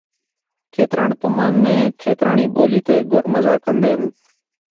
کھیتران تمنک کھیترانی ٻولی تے گُر مزہ کندین